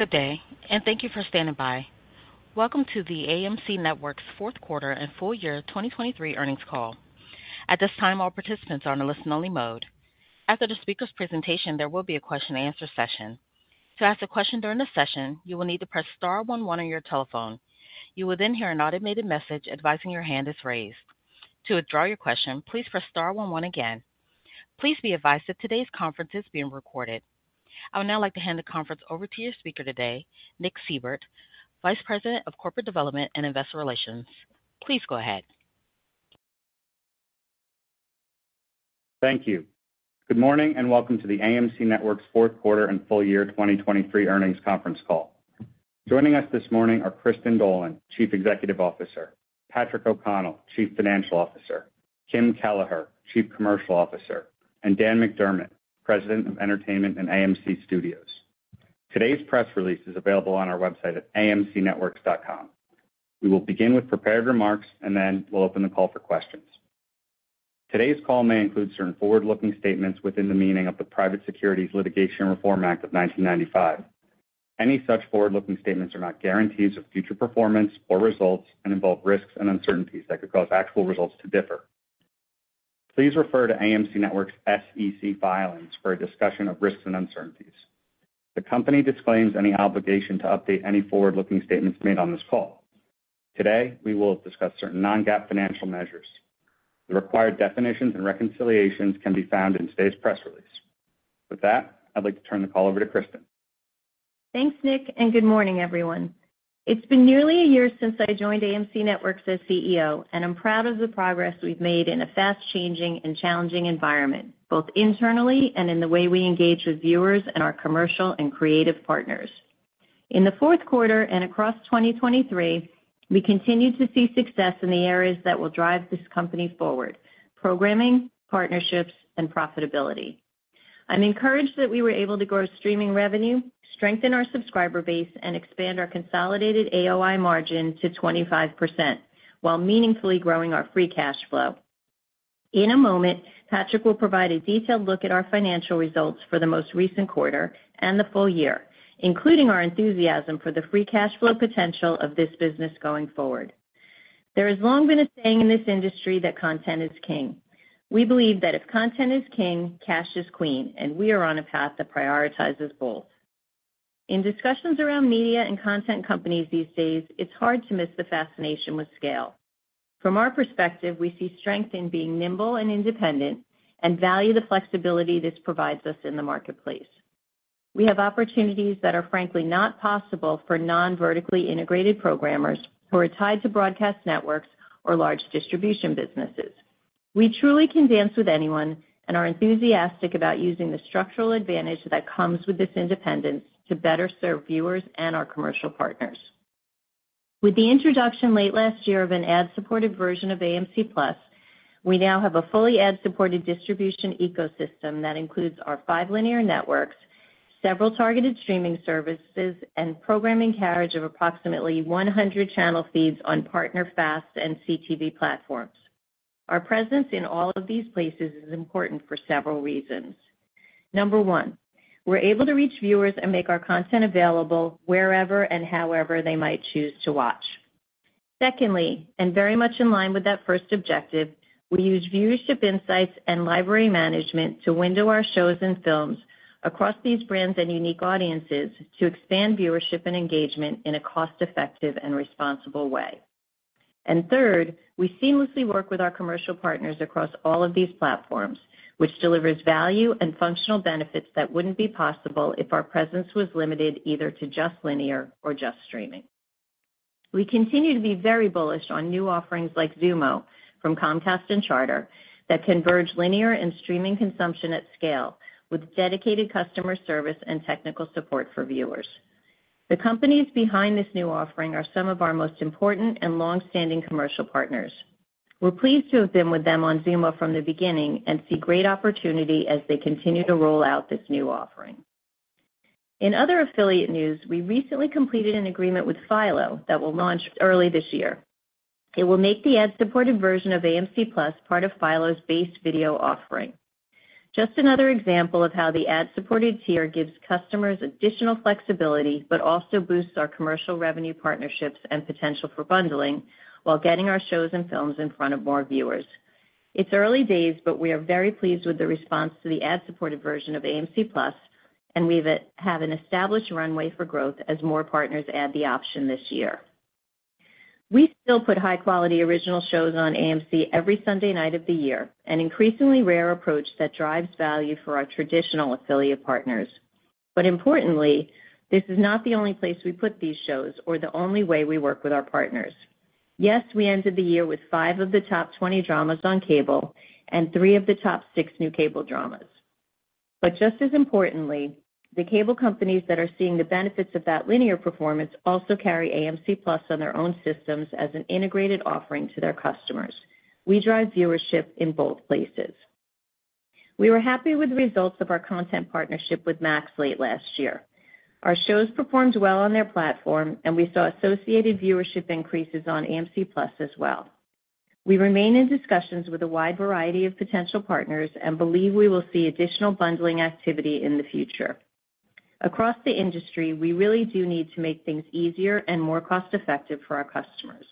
Good day, and thank you for standing by. Welcome to the AMC Networks fourth quarter and full year 2023 earnings call. At this time, all participants are on a listen-only mode. After the speaker's presentation, there will be a question-and-answer session. To ask a question during the session, you will need to press star one one on your telephone. You will then hear an automated message advising your hand is raised. To withdraw your question, please press star one one again. Please be advised that today's conference is being recorded. I would now like to hand the conference over to your speaker today, Nick Seibert, Vice President of Corporate Development and Investor Relations. Please go ahead. Thank you. Good morning and welcome to the AMC Networks fourth quarter and full year 2023 earnings conference call. Joining us this morning are Kristin Dolan, Chief Executive Officer, Patrick O'Connell, Chief Financial Officer, Kim Kelleher, Chief Commercial Officer, and Dan McDermott, President of Entertainment and AMC Studios. Today's press release is available on our website at amcnetworks.com. We will begin with prepared remarks, and then we'll open the call for questions. Today's call may include certain forward-looking statements within the meaning of the Private Securities Litigation Reform Act of 1995. Any such forward-looking statements are not guarantees of future performance or results and involve risks and uncertainties that could cause actual results to differ. Please refer to AMC Networks' SEC filings for a discussion of risks and uncertainties. The company disclaims any obligation to update any forward-looking statements made on this call. Today, we will discuss certain non-GAAP financial measures. The required definitions and reconciliations can be found in today's press release. With that, I'd like to turn the call over to Kristin. Thanks, Nick, and good morning, everyone. It's been nearly a year since I joined AMC Networks as CEO, and I'm proud of the progress we've made in a fast-changing and challenging environment, both internally and in the way we engage with viewers and our commercial and creative partners. In the fourth quarter and across 2023, we continue to see success in the areas that will drive this company forward: programming, partnerships, and profitability. I'm encouraged that we were able to grow streaming revenue, strengthen our subscriber base, and expand our consolidated AOI margin to 25% while meaningfully growing our free cash flow. In a moment, Patrick will provide a detailed look at our financial results for the most recent quarter and the full year, including our enthusiasm for the free cash flow potential of this business going forward. There has long been a saying in this industry that content is king. We believe that if content is king, cash is queen, and we are on a path that prioritizes both. In discussions around media and content companies these days, it's hard to miss the fascination with scale. From our perspective, we see strength in being nimble and independent and value the flexibility this provides us in the marketplace. We have opportunities that are frankly not possible for non-vertically integrated programmers who are tied to broadcast networks or large distribution businesses. We truly can dance with anyone and are enthusiastic about using the structural advantage that comes with this independence to better serve viewers and our commercial partners. With the introduction late last year of an ad-supported version of AMC+, we now have a fully ad-supported distribution ecosystem that includes our five linear networks, several targeted streaming services, and programming carriage of approximately 100 channel feeds on partner FAST and CTV platforms. Our presence in all of these places is important for several reasons. Number one, we're able to reach viewers and make our content available wherever and however they might choose to watch. Secondly, and very much in line with that first objective, we use viewership insights and library management to window our shows and films across these brands and unique audiences to expand viewership and engagement in a cost-effective and responsible way. Third, we seamlessly work with our commercial partners across all of these platforms, which delivers value and functional benefits that wouldn't be possible if our presence was limited either to just linear or just streaming. We continue to be very bullish on new offerings like Xumo from Comcast and Charter that converge linear and streaming consumption at scale with dedicated customer service and technical support for viewers. The companies behind this new offering are some of our most important and longstanding commercial partners. We're pleased to have been with them on Xumo from the beginning and see great opportunity as they continue to roll out this new offering. In other affiliate news, we recently completed an agreement with Philo that will launch early this year. It will make the ad-supported version of AMC+ part of Philo's base video offering. Just another example of how the ad-supported tier gives customers additional flexibility but also boosts our commercial revenue partnerships and potential for bundling while getting our shows and films in front of more viewers. It's early days, but we are very pleased with the response to the ad-supported version of AMC+, and we have an established runway for growth as more partners add the option this year. We still put high-quality original shows on AMC every Sunday night of the year, an increasingly rare approach that drives value for our traditional affiliate partners. But importantly, this is not the only place we put these shows or the only way we work with our partners. Yes, we ended the year with five of the top 20 dramas on cable and three of the top six new cable dramas. Just as importantly, the cable companies that are seeing the benefits of that linear performance also carry AMC+ on their own systems as an integrated offering to their customers. We drive viewership in both places. We were happy with the results of our content partnership with Max late last year. Our shows performed well on their platform, and we saw associated viewership increases on AMC+ as well. We remain in discussions with a wide variety of potential partners and believe we will see additional bundling activity in the future. Across the industry, we really do need to make things easier and more cost-effective for our customers.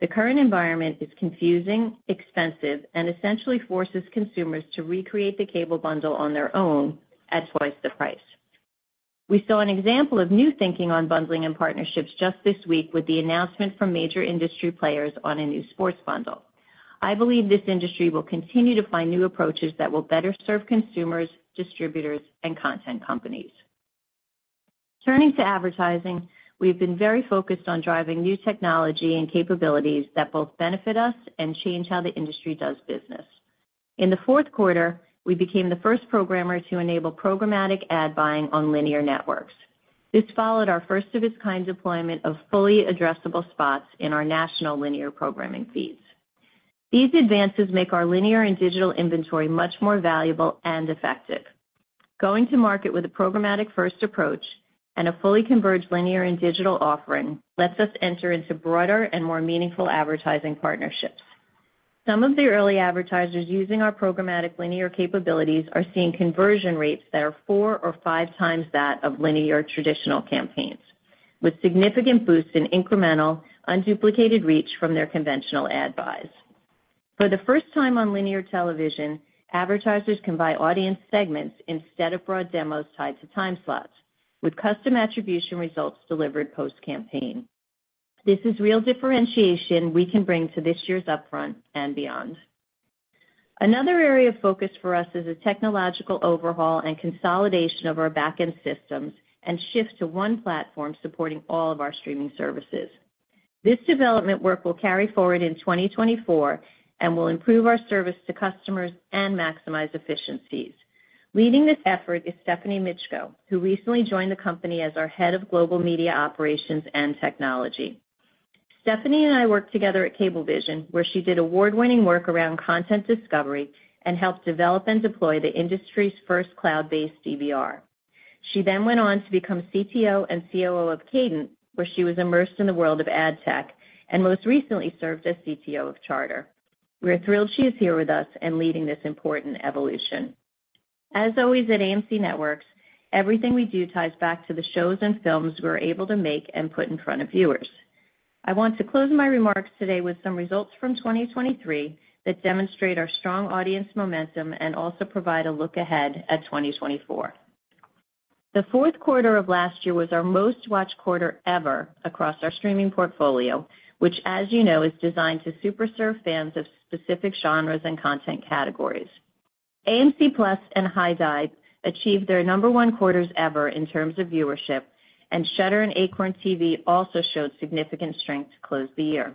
The current environment is confusing, expensive, and essentially forces consumers to recreate the cable bundle on their own at twice the price. We saw an example of new thinking on bundling and partnerships just this week with the announcement from major industry players on a new sports bundle. I believe this industry will continue to find new approaches that will better serve consumers, distributors, and content companies. Turning to advertising, we've been very focused on driving new technology and capabilities that both benefit us and change how the industry does business. In the fourth quarter, we became the first programmer to enable programmatic ad buying on linear networks. This followed our first-of-its-kind deployment of fully addressable spots in our national linear programming feeds. These advances make our linear and digital inventory much more valuable and effective. Going to market with a programmatic-first approach and a fully converged linear and digital offering lets us enter into broader and more meaningful advertising partnerships. Some of the early advertisers using our programmatic linear capabilities are seeing conversion rates that are four or five times that of linear traditional campaigns, with significant boosts in incremental, unduplicated reach from their conventional ad buys. For the first time on linear television, advertisers can buy audience segments instead of broad demos tied to time slots, with custom attribution results delivered post-campaign. This is real differentiation we can bring to this year's upfront and beyond. Another area of focus for us is a technological overhaul and consolidation of our backend systems and shift to one platform supporting all of our streaming services. This development work will carry forward in 2024 and will improve our service to customers and maximize efficiencies. Leading this effort is Stephanie Mitchko, who recently joined the company as our Head of Global Media Operations and Technology. Stephanie and I worked together at Cablevision, where she did award-winning work around content discovery and helped develop and deploy the industry's first cloud-based DVR. She then went on to become CTO and COO of Cadent, where she was immersed in the world of ad tech and most recently served as CTO of Charter. We are thrilled she is here with us and leading this important evolution. As always at AMC Networks, everything we do ties back to the shows and films we're able to make and put in front of viewers. I want to close my remarks today with some results from 2023 that demonstrate our strong audience momentum and also provide a look ahead at 2024. The fourth quarter of last year was our most-watched quarter ever across our streaming portfolio, which, as you know, is designed to super serve fans of specific genres and content categories. AMC+ and HIDIVE achieved their number one quarters ever in terms of viewership, and Shudder and Acorn TV also showed significant strength to close the year.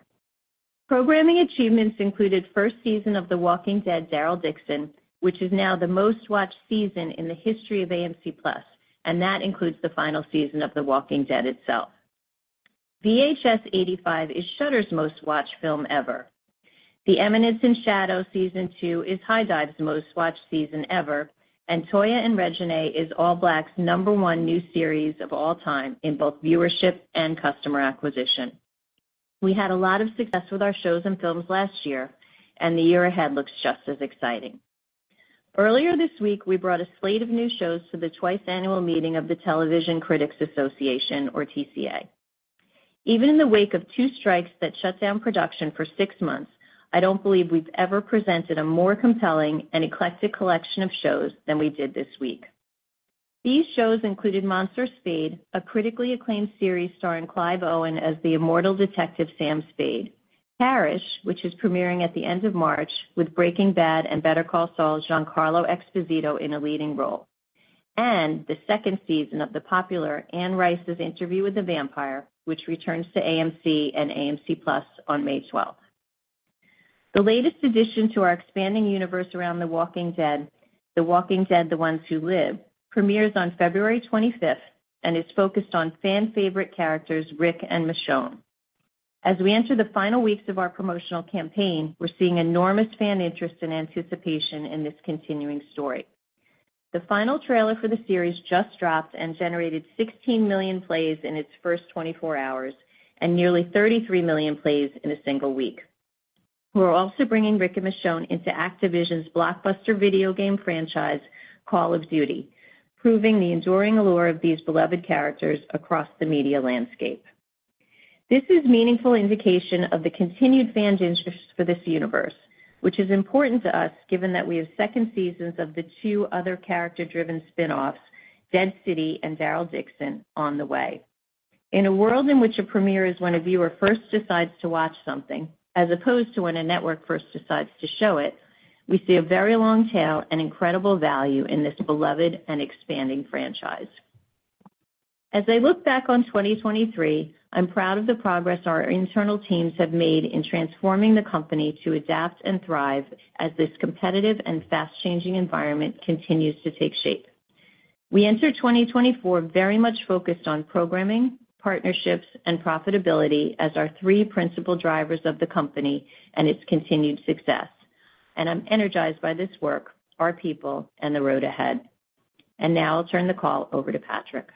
Programming achievements included first season of The Walking Dead: Daryl Dixon, which is now the most-watched season in the history of AMC+, and that includes the final season of The Walking Dead itself. VHS 85 is Shudder's most-watched film ever. The Eminence in Shadow: Season 2 is HIDIVE's most-watched season ever, and Toya & Reginae is ALLBLK's number one new series of all time in both viewership and customer acquisition. We had a lot of success with our shows and films last year, and the year ahead looks just as exciting. Earlier this week, we brought a slate of new shows to the twice-annual meeting of the Television Critics Association, or TCA. Even in the wake of two strikes that shut down production for six months, I don't believe we've ever presented a more compelling and eclectic collection of shows than we did this week. These shows included Monsieur Spade, a critically acclaimed series starring Clive Owen as the immortal detective Sam Spade, Parish, which is premiering at the end of March with Breaking Bad and Better Call Saul's Giancarlo Esposito in a leading role, and the second season of the popular Anne Rice's Interview with the Vampire, which returns to AMC and AMC+ on May 12th. The latest addition to our expanding universe around The Walking Dead, The Walking Dead: The Ones Who Live, premieres on February 25th and is focused on fan-favorite characters Rick and Michonne. As we enter the final weeks of our promotional campaign, we're seeing enormous fan interest and anticipation in this continuing story. The final trailer for the series just dropped and generated 16 million plays in its first 24 hours and nearly 33 million plays in a single week. We're also bringing Rick and Michonne into Activision's blockbuster video game franchise Call of Duty, proving the enduring allure of these beloved characters across the media landscape. This is a meaningful indication of the continued fan interest for this universe, which is important to us given that we have second seasons of the two other character-driven spinoffs, Dead City and Daryl Dixon, on the way. In a world in which a premiere is when a viewer first decides to watch something as opposed to when a network first decides to show it, we see a very long tail and incredible value in this beloved and expanding franchise. As I look back on 2023, I'm proud of the progress our internal teams have made in transforming the company to adapt and thrive as this competitive and fast-changing environment continues to take shape. We enter 2024 very much focused on programming, partnerships, and profitability as our three principal drivers of the company and its continued success, and I'm energized by this work, our people, and the road ahead. Now I'll turn the call over to Patrick.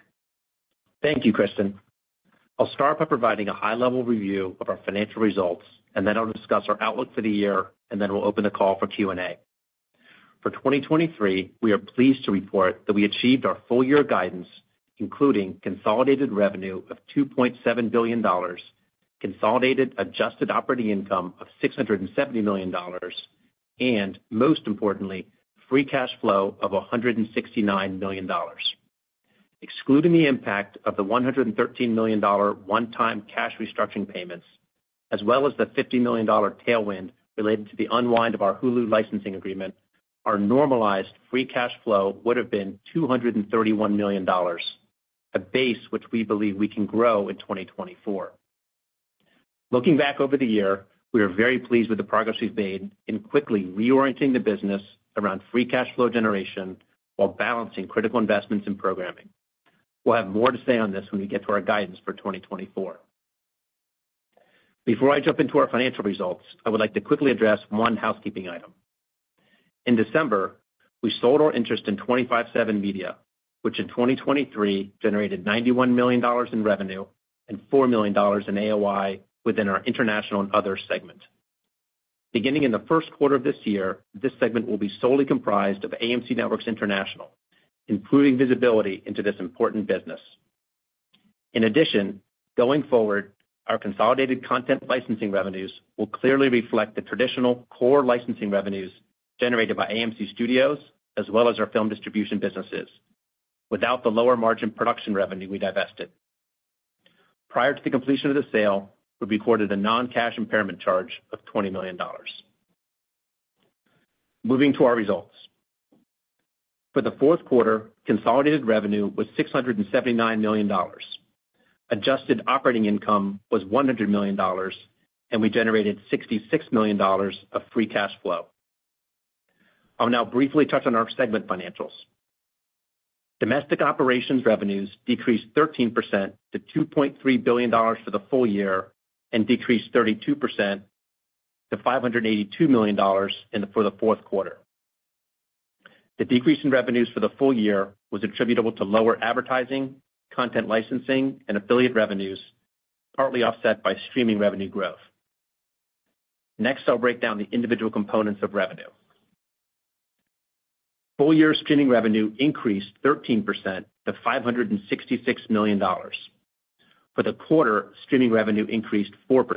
Thank you, Kristin. I'll start by providing a high-level review of our financial results, and then I'll discuss our outlook for the year, and then we'll open the call for Q&A. For 2023, we are pleased to report that we achieved our full-year guidance, including consolidated revenue of $2.7 billion, consolidated adjusted operating income of $670 million, and most importantly, free cash flow of $169 million. Excluding the impact of the $113 million one-time cash restructuring payments as well as the $50 million tailwind related to the unwind of our Hulu licensing agreement, our normalized free cash flow would have been $231 million, a base which we believe we can grow in 2024. Looking back over the year, we are very pleased with the progress we've made in quickly reorienting the business around free cash flow generation while balancing critical investments in programming. We'll have more to say on this when we get to our guidance for 2024. Before I jump into our financial results, I would like to quickly address one housekeeping item. In December, we sold our interest in 25/7 Media, which in 2023 generated $91 million in revenue and $4 million in AOI within our international and other segment. Beginning in the first quarter of this year, this segment will be solely comprised of AMC Networks International, improving visibility into this important business. In addition, going forward, our consolidated content licensing revenues will clearly reflect the traditional core licensing revenues generated by AMC Studios as well as our film distribution businesses, without the lower margin production revenue we divested. Prior to the completion of the sale, we recorded a non-cash impairment charge of $20 million. Moving to our results. For the fourth quarter, consolidated revenue was $679 million. Adjusted operating income was $100 million, and we generated $66 million of free cash flow. I'll now briefly touch on our segment financials. Domestic operations revenues decreased 13% to $2.3 billion for the full year and decreased 32% to $582 million for the fourth quarter. The decrease in revenues for the full year was attributable to lower advertising, content licensing, and affiliate revenues, partly offset by streaming revenue growth. Next, I'll break down the individual components of revenue. Full-year streaming revenue increased 13% to $566 million. For the quarter, streaming revenue increased 4%.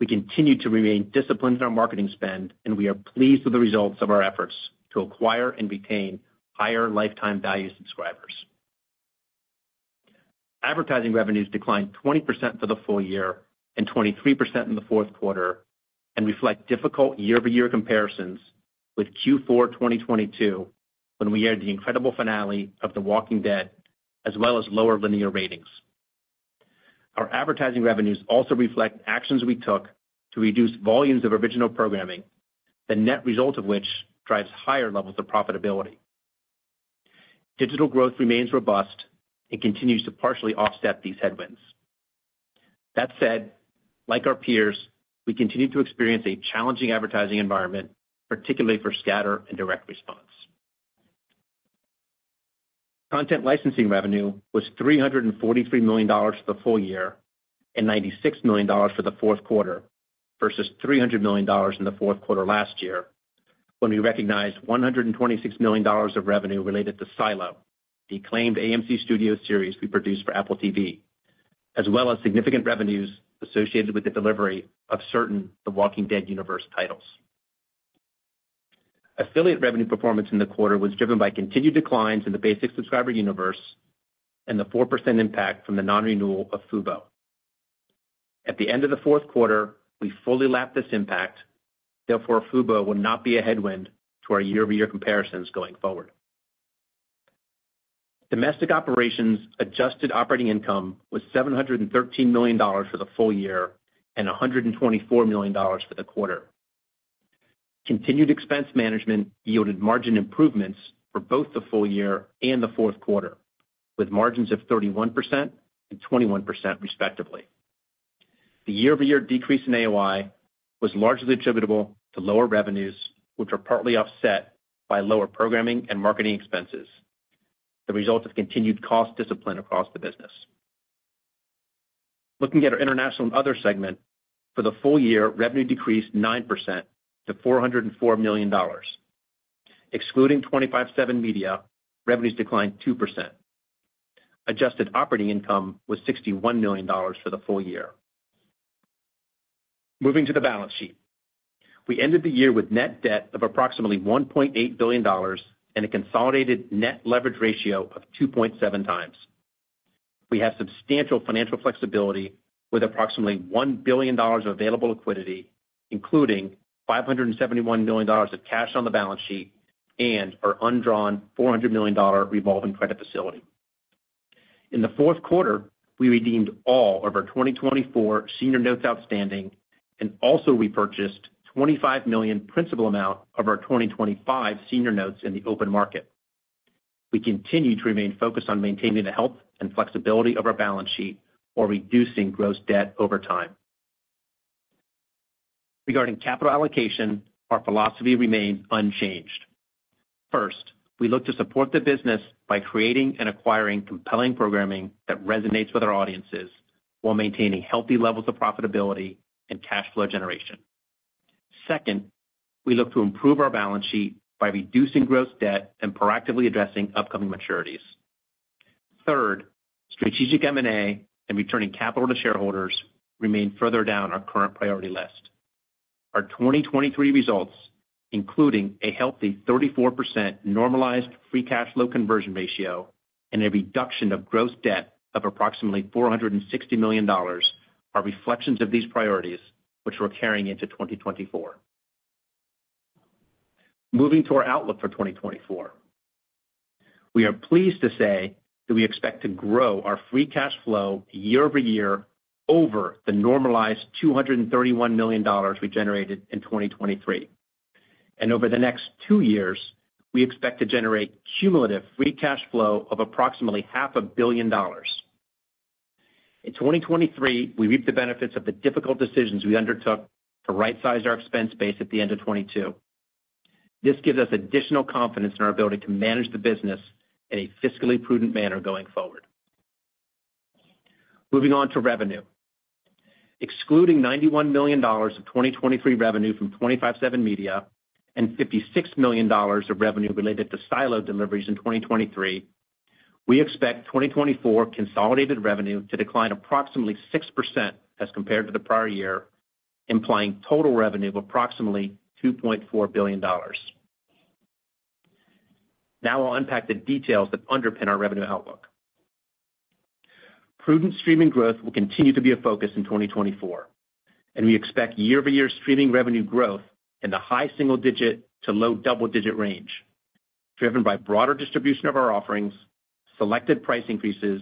We continue to remain disciplined in our marketing spend, and we are pleased with the results of our efforts to acquire and retain higher lifetime value subscribers. Advertising revenues declined 20% for the full year and 23% in the fourth quarter and reflect difficult year-over-year comparisons with Q4 2022 when we aired the incredible finale of The Walking Dead as well as lower linear ratings. Our advertising revenues also reflect actions we took to reduce volumes of original programming, the net result of which drives higher levels of profitability. Digital growth remains robust and continues to partially offset these headwinds. That said, like our peers, we continue to experience a challenging advertising environment, particularly for scatter and direct response. Content licensing revenue was $343 million for the full year and $96 million for the fourth quarter versus $300 million in the fourth quarter last year when we recognized $126 million of revenue related to Silo, the acclaimed AMC Studios series we produced for Apple TV, as well as significant revenues associated with the delivery of certain The Walking Dead universe titles. Affiliate revenue performance in the quarter was driven by continued declines in the basic subscriber universe and the 4% impact from the non-renewal of Fubo. At the end of the fourth quarter, we fully lapped this impact. Therefore, Fubo will not be a headwind to our year-over-year comparisons going forward. Domestic operations adjusted operating income was $713 million for the full year and $124 million for the quarter. Continued expense management yielded margin improvements for both the full year and the fourth quarter, with margins of 31% and 21% respectively. The year-over-year decrease in AOI was largely attributable to lower revenues, which are partly offset by lower programming and marketing expenses, the result of continued cost discipline across the business. Looking at our international and other segment, for the full year, revenue decreased 9% to $404 million. Excluding 25/7 Media, revenues declined 2%. Adjusted operating income was $61 million for the full year. Moving to the balance sheet. We ended the year with net debt of approximately $1.8 billion and a consolidated net leverage ratio of 2.7 times. We have substantial financial flexibility with approximately $1 billion of available liquidity, including $571 million of cash on the balance sheet and our undrawn $400 million revolving credit facility. In the fourth quarter, we redeemed all of our 2024 senior notes outstanding and also repurchased $25 million principal amount of our 2025 senior notes in the open market. We continue to remain focused on maintaining the health and flexibility of our balance sheet while reducing gross debt over time. Regarding capital allocation, our philosophy remains unchanged. First, we look to support the business by creating and acquiring compelling programming that resonates with our audiences while maintaining healthy levels of profitability and cash flow generation. Second, we look to improve our balance sheet by reducing gross debt and proactively addressing upcoming maturities. Third, strategic M&A and returning capital to shareholders remain further down our current priority list. Our 2023 results, including a healthy 34% normalized free cash flow conversion ratio and a reduction of gross debt of approximately $460 million, are reflections of these priorities, which we're carrying into 2024. Moving to our outlook for 2024. We are pleased to say that we expect to grow our free cash flow year-over-year over the normalized $231 million we generated in 2023. And over the next two years, we expect to generate cumulative free cash flow of approximately $500 million. In 2023, we reaped the benefits of the difficult decisions we undertook to right-size our expense base at the end of 2022. This gives us additional confidence in our ability to manage the business in a fiscally prudent manner going forward. Moving on to revenue. Excluding $91 million of 2023 revenue from 25/7 Media and $56 million of revenue related to Silo deliveries in 2023, we expect 2024 consolidated revenue to decline approximately 6% as compared to the prior year, implying total revenue of approximately $2.4 billion. Now I'll unpack the details that underpin our revenue outlook. Prudent streaming growth will continue to be a focus in 2024, and we expect year-over-year streaming revenue growth in the high single-digit to low double-digit range, driven by broader distribution of our offerings, selected price increases,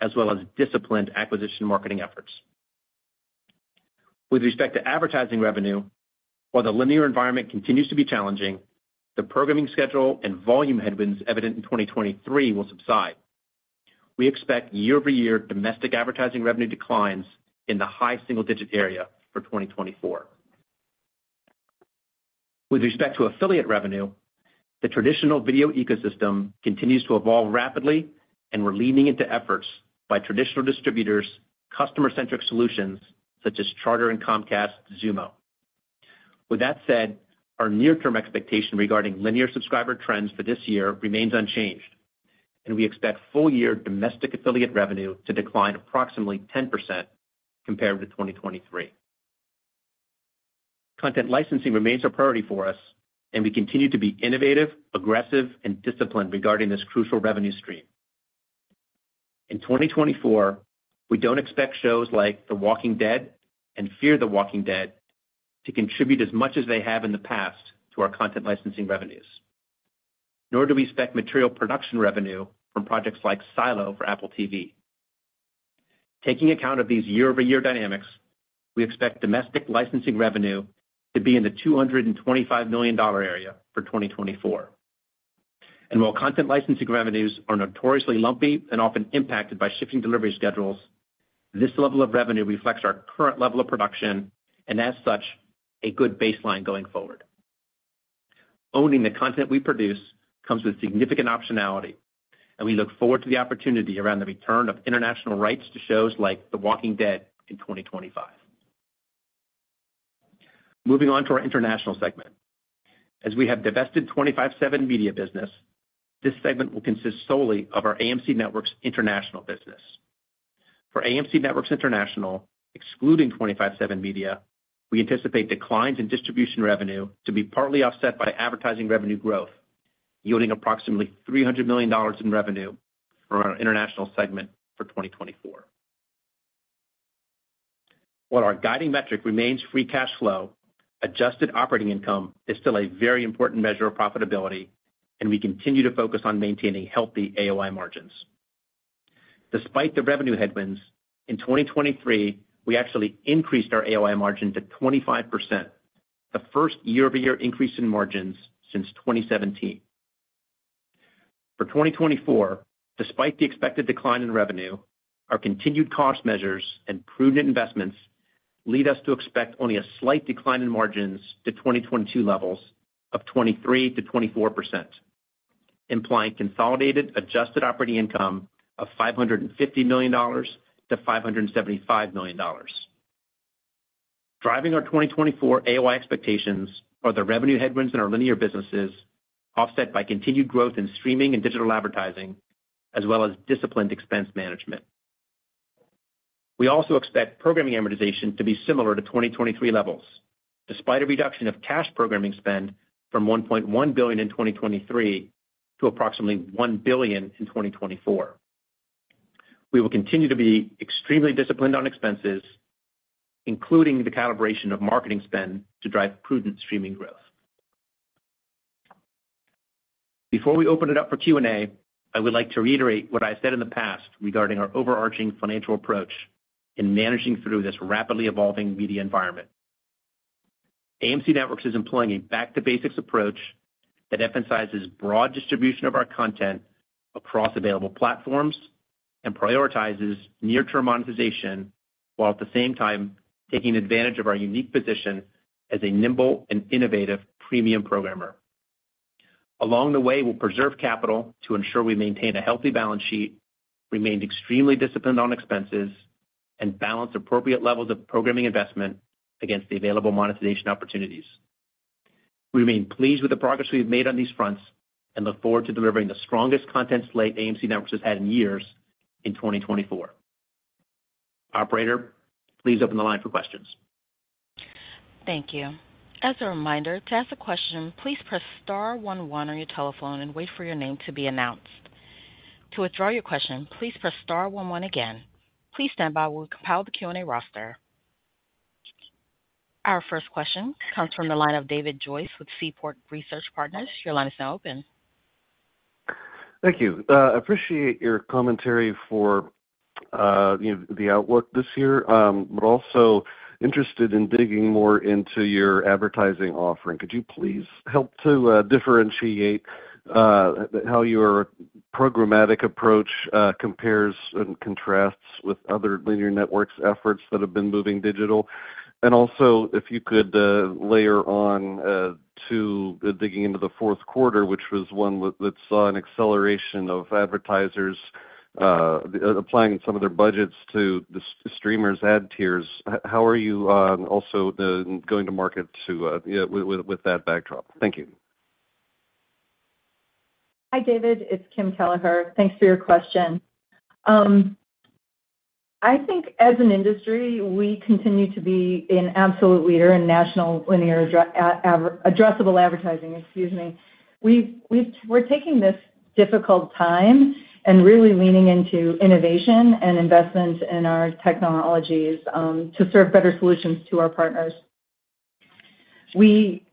as well as disciplined acquisition marketing efforts. With respect to advertising revenue, while the linear environment continues to be challenging, the programming schedule and volume headwinds evident in 2023 will subside. We expect year-over-year domestic advertising revenue declines in the high single-digit area for 2024. With respect to affiliate revenue, the traditional video ecosystem continues to evolve rapidly, and we're leaning into efforts by traditional distributors, customer-centric solutions such as Charter and Comcast, Xumo. With that said, our near-term expectation regarding linear subscriber trends for this year remains unchanged, and we expect full-year domestic affiliate revenue to decline approximately 10% compared with 2023. Content licensing remains a priority for us, and we continue to be innovative, aggressive, and disciplined regarding this crucial revenue stream. In 2024, we don't expect shows like The Walking Dead and Fear the Walking Dead to contribute as much as they have in the past to our content licensing revenues, nor do we expect material production revenue from projects like Silo for Apple TV. Taking account of these year-over-year dynamics, we expect domestic licensing revenue to be in the $225 million area for 2024. And while content licensing revenues are notoriously lumpy and often impacted by shifting delivery schedules, this level of revenue reflects our current level of production and, as such, a good baseline going forward. Owning the content we produce comes with significant optionality, and we look forward to the opportunity around the return of international rights to shows like The Walking Dead in 2025. Moving on to our international segment. As we have divested 25/7 Media business, this segment will consist solely of our AMC Networks International business. For AMC Networks International, excluding 25/7 Media, we anticipate declines in distribution revenue to be partly offset by advertising revenue growth, yielding approximately $300 million in revenue from our international segment for 2024. While our guiding metric remains free cash flow, adjusted operating income is still a very important measure of profitability, and we continue to focus on maintaining healthy AOI margins. Despite the revenue headwinds, in 2023, we actually increased our AOI margin to 25%, the first year-over-year increase in margins since 2017. For 2024, despite the expected decline in revenue, our continued cost measures and prudent investments lead us to expect only a slight decline in margins to 2022 levels of 23%-24%, implying consolidated adjusted operating income of $550 million-$575 million. Driving our 2024 AOI expectations are the revenue headwinds in our linear businesses, offset by continued growth in streaming and digital advertising, as well as disciplined expense management. We also expect programming amortization to be similar to 2023 levels, despite a reduction of cash programming spend from $1.1 billion in 2023 to approximately $1 billion in 2024. We will continue to be extremely disciplined on expenses, including the calibration of marketing spend to drive prudent streaming growth. Before we open it up for Q&A, I would like to reiterate what I said in the past regarding our overarching financial approach in managing through this rapidly evolving media environment. AMC Networks is employing a back-to-basics approach that emphasizes broad distribution of our content across available platforms and prioritizes near-term monetization while, at the same time, taking advantage of our unique position as a nimble and innovative premium programmer. Along the way, we'll preserve capital to ensure we maintain a healthy balance sheet, remain extremely disciplined on expenses, and balance appropriate levels of programming investment against the available monetization opportunities. We remain pleased with the progress we've made on these fronts and look forward to delivering the strongest content slate AMC Networks has had in years in 2024. Operator, please open the line for questions. Thank you. As a reminder, to ask a question, please press star one one on your telephone and wait for your name to be announced. To withdraw your question, please press star one one again. Please stand by while we compile the Q&A roster. Our first question comes from the line of David Joyce with Seaport Research Partners. Your line is now open. Thank you. I appreciate your commentary for the outlook this year, but also interested in digging more into your advertising offering. Could you please help to differentiate how your programmatic approach compares and contrasts with other linear networks' efforts that have been moving digital? And also, if you could layer on to digging into the fourth quarter, which was one that saw an acceleration of advertisers applying some of their budgets to streamers' ad tiers, how are you also going to market with that backdrop? Thank you. Hi, David. It's Kim Kelleher. Thanks for your question. I think, as an industry, we continue to be an absolute leader in national linear addressable advertising. Excuse me. We're taking this difficult time and really leaning into innovation and investment in our technologies to serve better solutions to our partners. We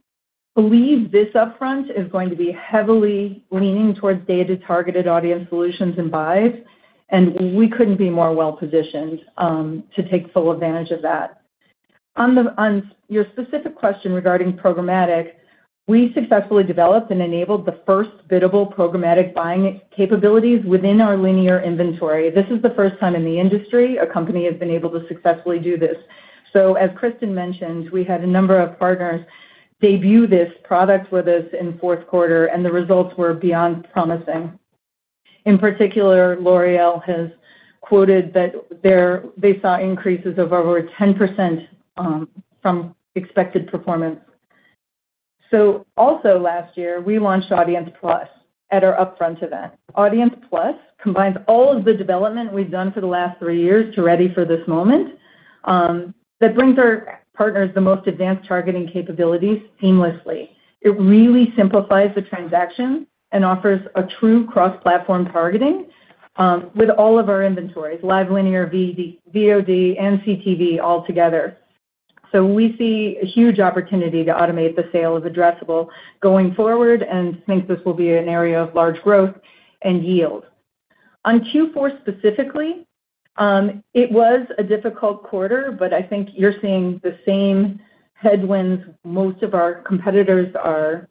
believe this upfront is going to be heavily leaning towards data-targeted audience solutions and buys, and we couldn't be more well-positioned to take full advantage of that. On your specific question regarding programmatic, we successfully developed and enabled the first biddable programmatic buying capabilities within our linear inventory. This is the first time in the industry a company has been able to successfully do this. So, as Kristin mentioned, we had a number of partners debut this product with us in fourth quarter, and the results were beyond promising. In particular, L'Oréal has quoted that they saw increases of over 10% from expected performance. So also, last year, we launched Audience+ at our upfront event. Audience+ combines all of the development we've done for the last three years to ready for this moment that brings our partners the most advanced targeting capabilities seamlessly. It really simplifies the transaction and offers a true cross-platform targeting with all of our inventories, live linear VOD and CTV altogether. So we see a huge opportunity to automate the sale of addressable going forward and think this will be an area of large growth and yield. On Q4 specifically, it was a difficult quarter, but I think you're seeing the same headwinds most of our competitors are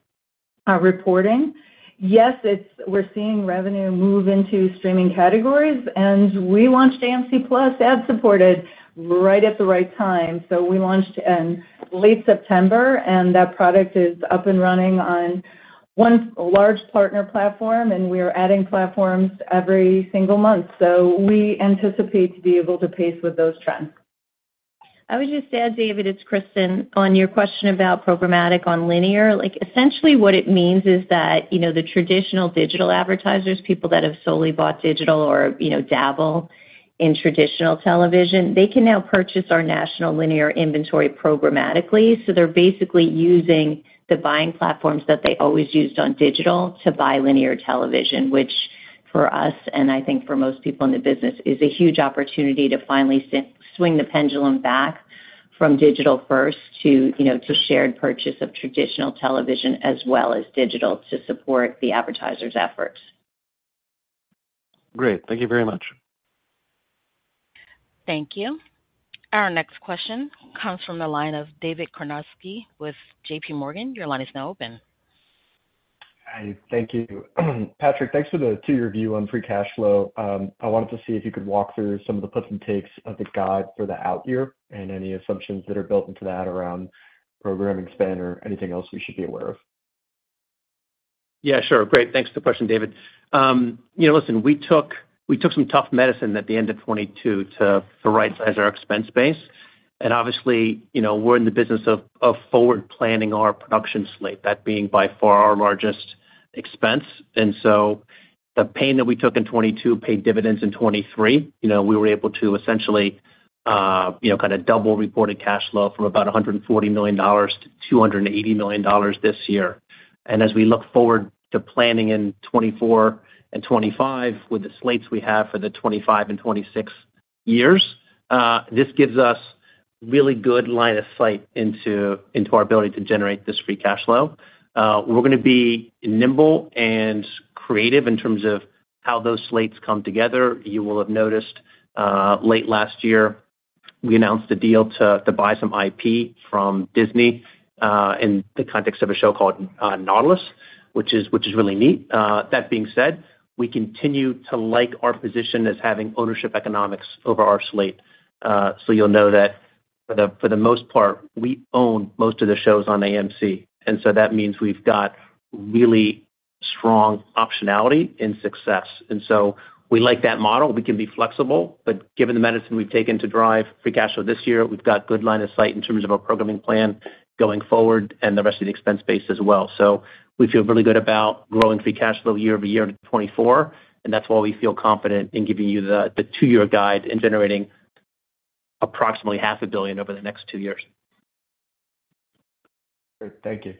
reporting. Yes, we're seeing revenue move into streaming categories, and we launched AMC+ ad-supported right at the right time. So we launched in late September, and that product is up and running on one large partner platform, and we are adding platforms every single month. So we anticipate to be able to pace with those trends. I would just add, David, it's Kristin, on your question about programmatic on linear, essentially what it means is that the traditional digital advertisers, people that have solely bought digital or dabble in traditional television, they can now purchase our national linear inventory programmatically. So they're basically using the buying platforms that they always used on digital to buy linear television, which for us and I think for most people in the business is a huge opportunity to finally swing the pendulum back from digital first to shared purchase of traditional television as well as digital to support the advertisers' efforts. Great. Thank you very much. Thank you. Our next question comes from the line of David Karnofsky with JPMorgan. Your line is now open. Hi. Thank you. Patrick, thanks for the two-year view on free cash flow. I wanted to see if you could walk through some of the puts and takes of the guide for the out year and any assumptions that are built into that around programming spend or anything else we should be aware of. Yeah, sure. Great. Thanks for the question, David. Listen, we took some tough medicine at the end of 2022 to right-size our expense base. Obviously, we're in the business of forward-planning our production slate, that being by far our largest expense. So the pain that we took in 2022 paid dividends in 2023. We were able to essentially kind of double reported cash flow from about $140 million-$280 million this year. As we look forward to planning in 2024 and 2025 with the slates we have for the 2025 and 2026 years, this gives us really good line of sight into our ability to generate this free cash flow. We're going to be nimble and creative in terms of how those slates come together. You will have noticed late last year, we announced a deal to buy some IP from Disney in the context of a show called Nautilus, which is really neat. That being said, we continue to like our position as having ownership economics over our slate. So you'll know that for the most part, we own most of the shows on AMC. And so that means we've got really strong optionality in success. And so we like that model. We can be flexible. But given the medicine we've taken to drive free cash flow this year, we've got good line of sight in terms of our programming plan going forward and the rest of the expense base as well. So we feel really good about growing free cash flow year-over-year to 2024, and that's why we feel confident in giving you the two-year guide in generating approximately $500 million over the next two years. Great. Thank you.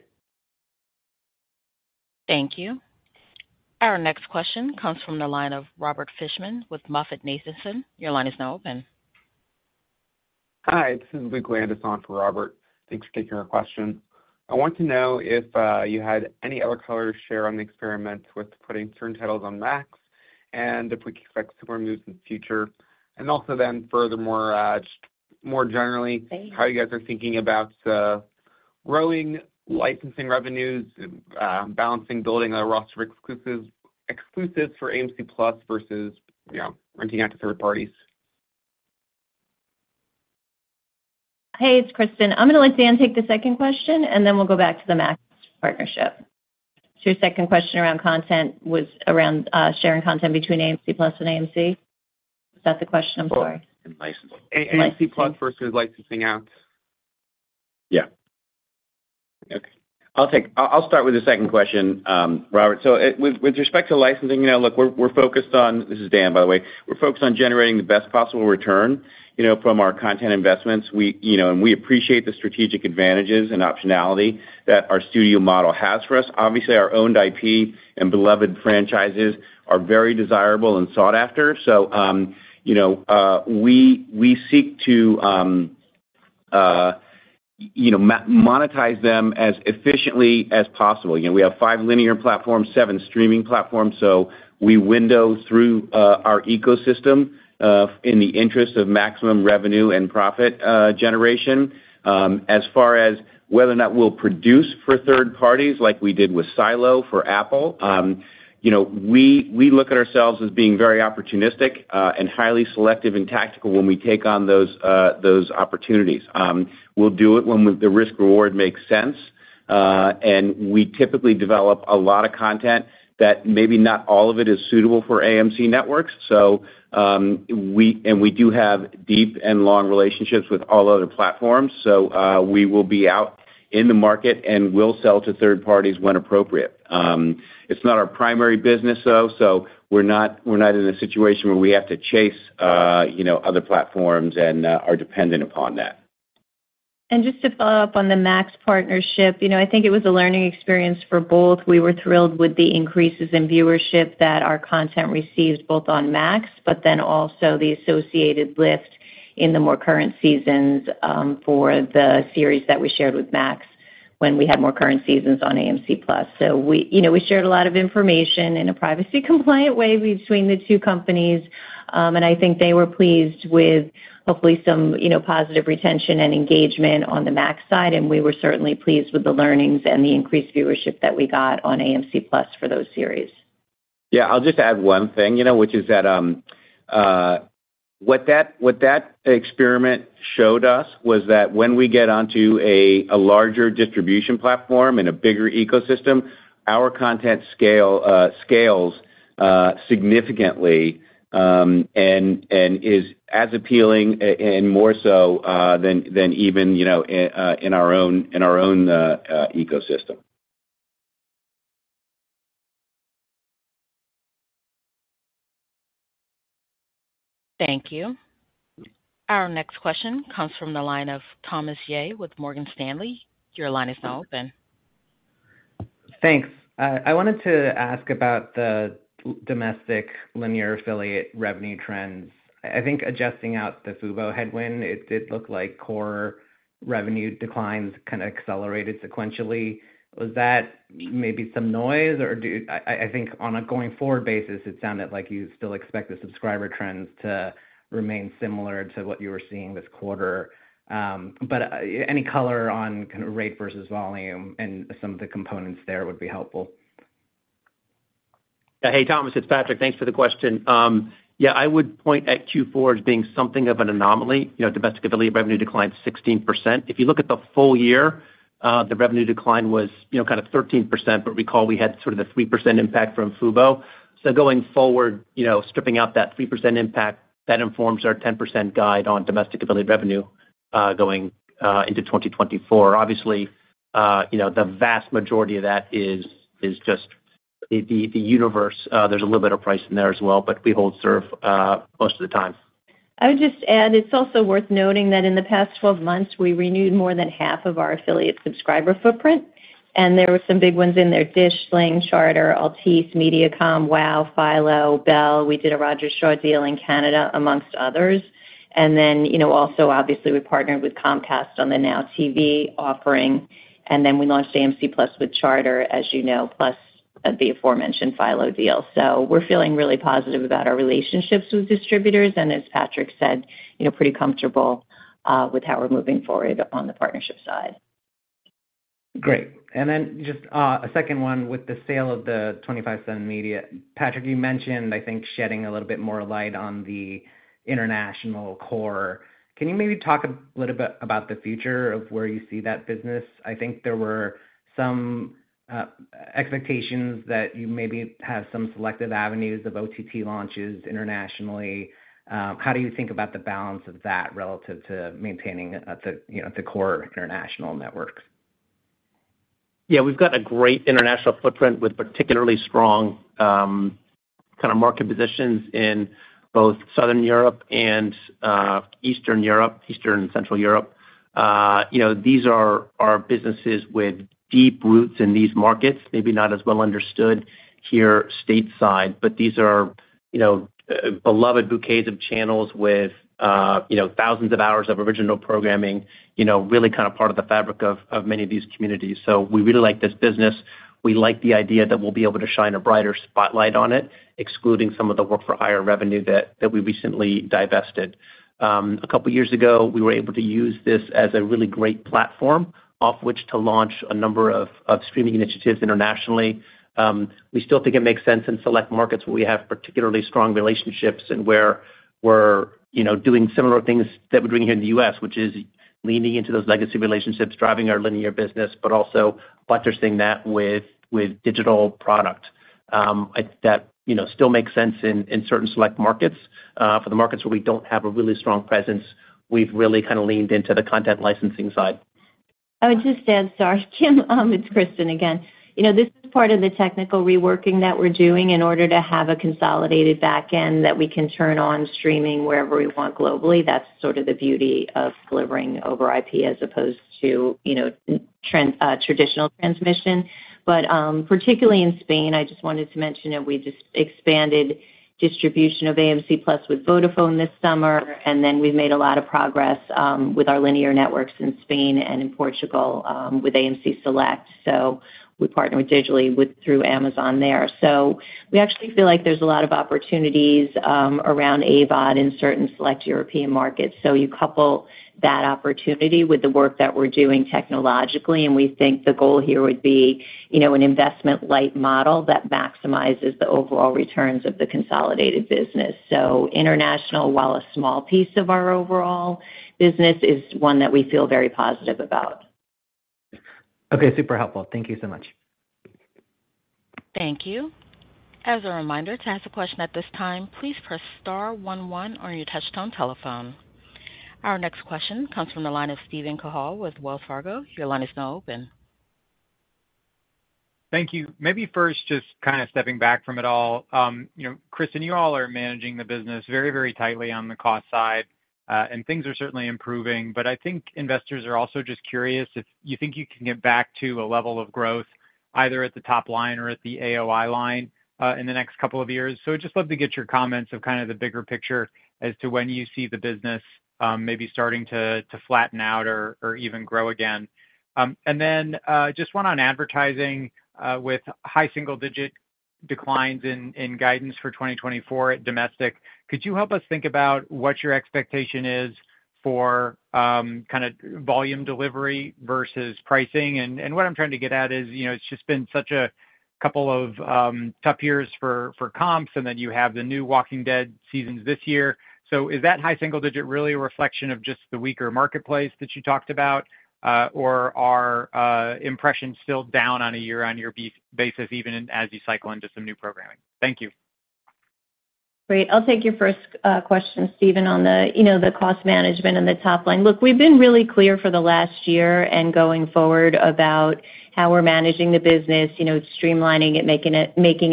Thank you. Our next question comes from the line of Robert Fishman with Moffett Nathanson. Your line is now open. Hi. This is Luke Landis on for Robert. Thanks for taking our question. I want to know if you had any other color to share on the experiment with putting certain titles on Max and if we can expect similar moves in the future. Also, furthermore, more generally, how you guys are thinking about growing licensing revenues, balancing, building a roster of exclusives for AMC+ versus renting out to third parties. Hey, it's Kristin. I'm going to let Dan take the second question, and then we'll go back to the Max partnership. So your second question around content was around sharing content between AMC+ and AMC. Was that the question? I'm sorry. And licensing. AMC+ versus licensing out. Yeah. Okay. I'll start with the second question, Robert. So with respect to licensing, look, we're focused on. This is Dan, by the way. We're focused on generating the best possible return from our content investments, and we appreciate the strategic advantages and optionality that our studio model has for us. Obviously, our owned IP and beloved franchises are very desirable and sought after. We seek to monetize them as efficiently as possible. We have five linear platforms, seven streaming platforms. We window through our ecosystem in the interest of maximum revenue and profit generation. As far as whether or not we'll produce for third parties like we did with Silo for Apple, we look at ourselves as being very opportunistic and highly selective and tactical when we take on those opportunities. We'll do it when the risk-reward makes sense. We typically develop a lot of content that maybe not all of it is suitable for AMC Networks. We do have deep and long relationships with all other platforms. We will be out in the market and will sell to third parties when appropriate. It's not our primary business, though, so we're not in a situation where we have to chase other platforms and are dependent upon that. Just to follow up on the Max partnership, I think it was a learning experience for both. We were thrilled with the increases in viewership that our content received both on Max but then also the associated lift in the more current seasons for the series that we shared with Max when we had more current seasons on AMC+. We shared a lot of information in a privacy-compliant way between the two companies, and I think they were pleased with hopefully some positive retention and engagement on the Max side. We were certainly pleased with the learnings and the increased viewership that we got on AMC+ for those series. Yeah. I'll just add one thing, which is that what that experiment showed us was that when we get onto a larger distribution platform and a bigger ecosystem, our content scales significantly and is as appealing and more so than even in our own ecosystem. Thank you. Our next question comes from the line of Thomas Yeh with Morgan Stanley. Your line is now open. Thanks. I wanted to ask about the domestic linear affiliate revenue trends. I think adjusting out the Fubo headwind, it did look like core revenue declines kind of accelerated sequentially. Was that maybe some noise? Or I think on a going forward basis, it sounded like you still expect the subscriber trends to remain similar to what you were seeing this quarter. But any color on kind of rate versus volume and some of the components there would be helpful. Yeah. Hey, Thomas. It's Patrick. Thanks for the question. Yeah. I would point at Q4 as being something of an anomaly. Domestic affiliate revenue declined 16%. If you look at the full year, the revenue decline was kind of 13%, but recall we had sort of the 3% impact from FUBO. So going forward, stripping out that 3% impact, that informs our 10% guide on domestic affiliate revenue going into 2024. Obviously, the vast majority of that is just the universe. There's a little bit of price in there as well, but we hold serve most of the time. I would just add it's also worth noting that in the past 12 months, we renewed more than half of our affiliate subscriber footprint. There were some big ones in there: DISH, Sling, Charter, Altice, Mediacom, WOW, Philo, Bell. We did a Rogers-Shaw deal in Canada, among others. And then also, obviously, we partnered with Comcast on the NOW TV offering. And then we launched AMC+ with Charter, as you know, plus the aforementioned Philo deal. So we're feeling really positive about our relationships with distributors and, as Patrick said, pretty comfortable with how we're moving forward on the partnership side. Great. And then just a second one with the sale of the 25/7 Media. Patrick, you mentioned, I think, shedding a little bit more light on the international core. Can you maybe talk a little bit about the future of where you see that business? I think there were some expectations that you maybe have some selective avenues of OTT launches internationally. How do you think about the balance of that relative to maintaining the core international networks? Yeah. We've got a great international footprint with particularly strong kind of market positions in both Southern Europe and Eastern Europe, Eastern and Central Europe. These are businesses with deep roots in these markets, maybe not as well understood here stateside, but these are beloved bouquets of channels with thousands of hours of original programming, really kind of part of the fabric of many of these communities. So we really like this business. We like the idea that we'll be able to shine a brighter spotlight on it, excluding some of the work for higher revenue that we recently divested. A couple of years ago, we were able to use this as a really great platform off which to launch a number of streaming initiatives internationally. We still think it makes sense in select markets where we have particularly strong relationships and where we're doing similar things that we're doing here in the U.S., which is leaning into those legacy relationships, driving our linear business, but also buttressing that with digital product. That still makes sense in certain select markets. For the markets where we don't have a really strong presence, we've really kind of leaned into the content licensing side. I would just add, sorry, Kim, it's Kristin again. This is part of the technical reworking that we're doing in order to have a consolidated backend that we can turn on streaming wherever we want globally. That's sort of the beauty of delivering over IP as opposed to traditional transmission. But particularly in Spain, I just wanted to mention that we just expanded distribution of AMC+ with Vodafone this summer, and then we've made a lot of progress with our linear networks in Spain and in Portugal with AMC Selekt. So we partner with digitally through Amazon there. So we actually feel like there's a lot of opportunities around AVOD in certain select European markets. So you couple that opportunity with the work that we're doing technologically, and we think the goal here would be an investment-light model that maximizes the overall returns of the consolidated business. So international, while a small piece of our overall business, is one that we feel very positive about. Okay. Super helpful. Thank you so much. Thank you. As a reminder, to ask a question at this time, please press star one one on your touch-tone telephone. Our next question comes from the line of Steven Cahall with Wells Fargo. Your line is now open. Thank you. Maybe first, just kind of stepping back from it all, Kristin, you all are managing the business very, very tightly on the cost side, and things are certainly improving. But I think investors are also just curious if you think you can get back to a level of growth either at the top line or at the AOI line in the next couple of years. So I'd just love to get your comments of kind of the bigger picture as to when you see the business maybe starting to flatten out or even grow again. And then just one on advertising with high single-digit declines in guidance for 2024 at domestic. Could you help us think about what your expectation is for kind of volume delivery versus pricing? What I'm trying to get at is it's just been such a couple of tough years for comps, and then you have the new Walking Dead seasons this year. So is that high single-digit really a reflection of just the weaker marketplace that you talked about, or are impressions still down on a year-on-year basis even as you cycle into some new programming? Thank you. Great. I'll take your first question, Steven, on the cost management and the top line. Look, we've been really clear for the last year and going forward about how we're managing the business, streamlining it, making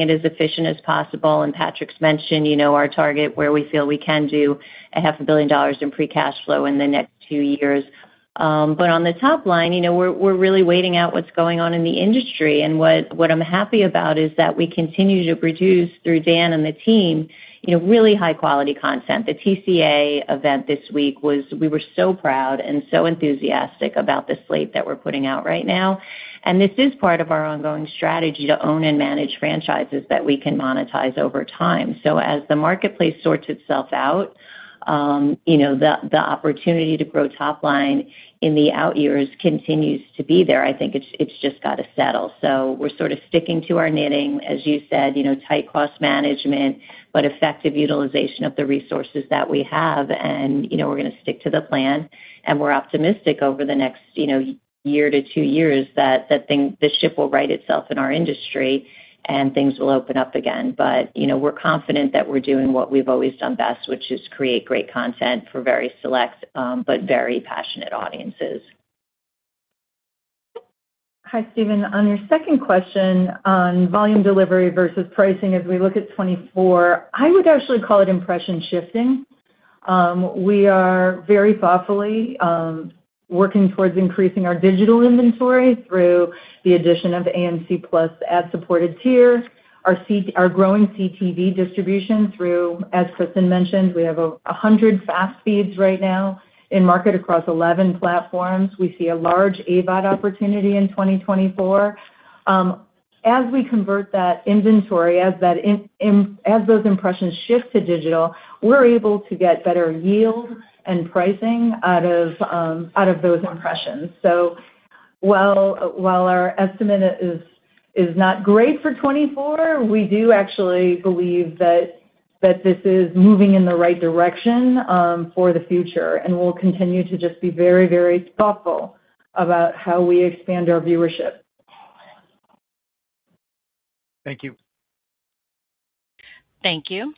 it as efficient as possible. Patrick's mentioned our target where we feel we can do $500 million in free cash flow in the next two years. On the top line, we're really waiting out what's going on in the industry. What I'm happy about is that we continue to produce through Dan and the team really high-quality content. The TCA event this week, we were so proud and so enthusiastic about the slate that we're putting out right now. This is part of our ongoing strategy to own and manage franchises that we can monetize over time. As the marketplace sorts itself out, the opportunity to grow top line in the out years continues to be there. I think it's just got to settle. We're sort of sticking to our knitting, as you said, tight cost management but effective utilization of the resources that we have. We're going to stick to the plan, and we're optimistic over the next year to two years that the ship will right itself in our industry and things will open up again. But we're confident that we're doing what we've always done best, which is create great content for very select but very passionate audiences. Hi, Steven. On your second question on volume delivery versus pricing as we look at 2024, I would actually call it impression shifting. We are very thoughtfully working towards increasing our digital inventory through the addition of AMC+ ad-supported tier, our growing CTV distribution through, as Kristin mentioned, we have 100 fast feeds right now in market across 11 platforms. We see a large AVOD opportunity in 2024. As we convert that inventory, as those impressions shift to digital, we're able to get better yield and pricing out of those impressions. So while our estimate is not great for 2024, we do actually believe that this is moving in the right direction for the future, and we'll continue to just be very, very thoughtful about how we expand our viewership. Thank you. Thank you.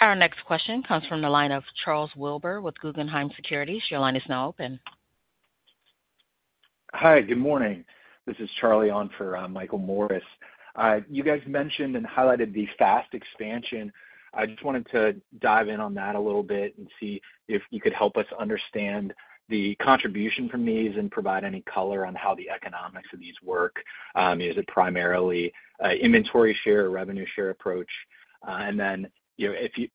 Our next question comes from the line of Charles Wilber with Guggenheim Securities. Your line is now open. Hi. Good morning. This is Charlie on for Michael Morris. You guys mentioned and highlighted the FAST expansion. I just wanted to dive in on that a little bit and see if you could help us understand the contribution from these and provide any color on how the economics of these work. Is it primarily inventory share or revenue share approach? And then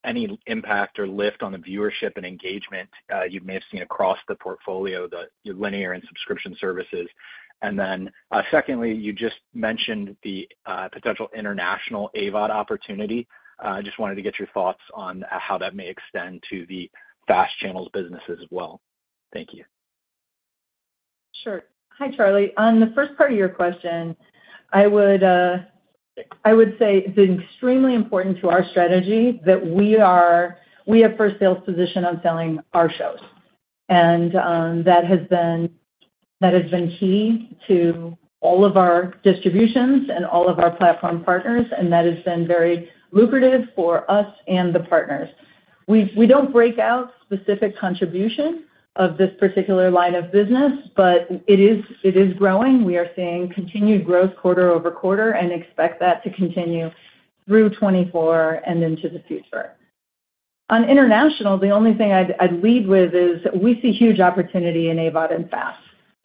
any impact or lift on the viewership and engagement you may have seen across the portfolio, the linear and subscription services? And then secondly, you just mentioned the potential international AVOD opportunity. I just wanted to get your thoughts on how that may extend to the FAST channels business as well. Thank you. Sure. Hi, Charlie. On the first part of your question, I would say it's extremely important to our strategy that we have a first-sales position on selling our shows. And that has been key to all of our distributions and all of our platform partners, and that has been very lucrative for us and the partners. We don't break out specific contribution of this particular line of business, but it is growing. We are seeing continued growth quarter-over-quarter and expect that to continue through 2024 and into the future. On international, the only thing I'd lead with is we see huge opportunity in AVOD and FAST.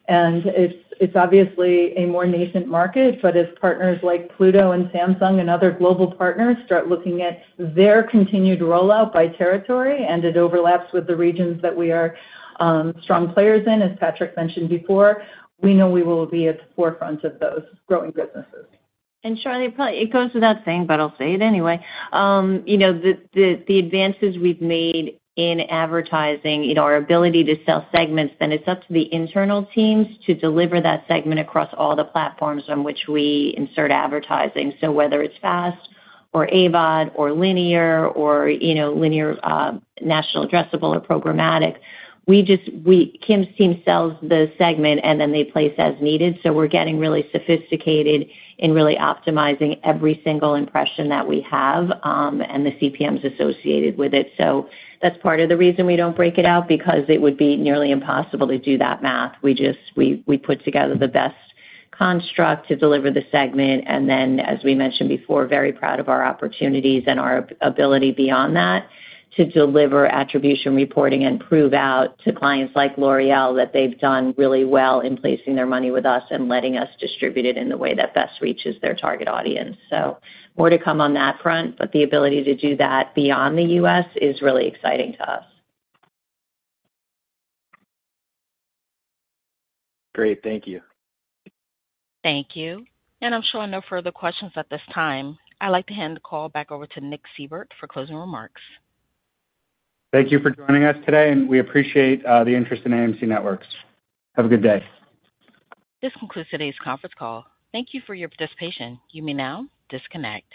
It's obviously a more nascent market, but as partners like Pluto and Samsung and other global partners start looking at their continued rollout by territory and it overlaps with the regions that we are strong players in, as Patrick mentioned before, we know we will be at the forefront of those growing businesses. And Charlie, it goes without saying, but I'll say it anyway. The advances we've made in advertising, our ability to sell segments, then it's up to the internal teams to deliver that segment across all the platforms on which we insert advertising. So whether it's FAST or AVOD or linear or linear national addressable or programmatic, Kim's team sells the segment, and then they place as needed. So we're getting really sophisticated in really optimizing every single impression that we have and the CPMs associated with it. So that's part of the reason we don't break it out because it would be nearly impossible to do that math. We put together the best construct to deliver the segment. And then, as we mentioned before, very proud of our opportunities and our ability beyond that to deliver attribution reporting and prove out to clients like L'Oréal that they've done really well in placing their money with us and letting us distribute it in the way that best reaches their target audience. So more to come on that front, but the ability to do that beyond the U.S. is really exciting to us. Great. Thank you. Thank you. And I'm sure I have no further questions at this time. I'd like to hand the call back over to Nick Seibert for closing remarks. Thank you for joining us today, and we appreciate the interest in AMC Networks. Have a good day. This concludes today's conference call. Thank you for your participation. You may now disconnect.